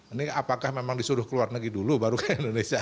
ini apakah memang disuruh ke luar negeri dulu baru ke indonesia